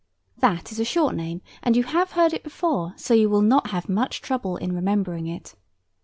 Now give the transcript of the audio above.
That is a short name, and you have heard it before, so you will not have much trouble in remembering it.